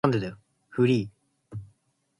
フリー